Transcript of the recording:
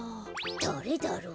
だれだろう？